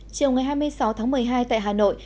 chiều ngày hai mươi sáu tháng một mươi hai tại hà nội